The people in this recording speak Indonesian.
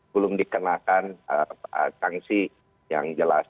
belum dikenakan sanksi yang jelas